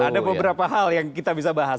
ada beberapa hal yang kita bisa bahas